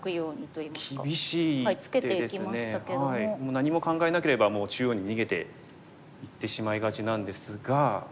何も考えなければ中央に逃げていってしまいがちなんですが。